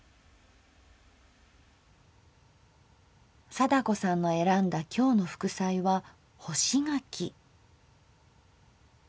貞子さんの選んだ今日の副菜は干し柿。